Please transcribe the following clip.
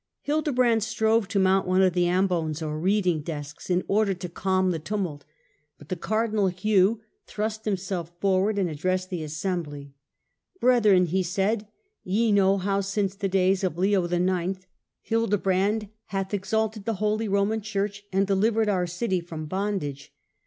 Hildebrand strove to mount one of the ' ambons,' or reading desks, in order to cabn the tumult, . but the cardinal Hugh thrust himself forward and ad dressed the assembly. * Brethren,' he said, ' ye know how since the days of Leo IX. Hildebrand hath exalted the holy Roman Church and delivered our city from bondage.